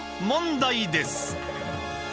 問題です。